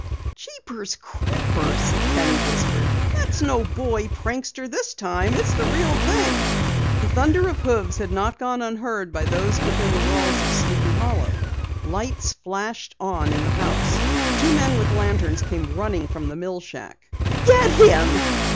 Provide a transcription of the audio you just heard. "Jeepers creepers!" Penny whispered. "That's no boy prankster this time! It's the real thing!" The thunder of hoofbeats had not gone unheard by those within the walls of Sleepy Hollow. Lights flashed on in the house. Two men with lanterns came running from the mill shack. "Get him!